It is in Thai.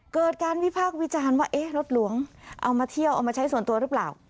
เกิดการวิพากษ์วิจารณ์ว่าเอ๊ะรถหลวงเอามาเที่ยวเอามาใช้ส่วนตัวหรือเปล่า